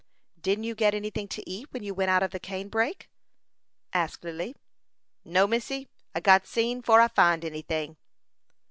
"Did you get any thing to eat when you went out of the cane brake," asked Lily. "No, missy; I got seen 'fore I find any ting."